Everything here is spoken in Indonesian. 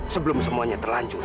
sebelum semuanya terlanjur